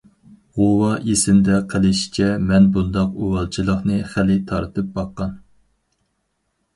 غۇۋا ئېسىمدە قېلىشىچە، مەن بۇنداق ئۇۋالچىلىقنى خېلى تارتىپ باققان.